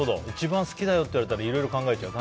１番好きだよって言われたらいろいろ考えちゃう。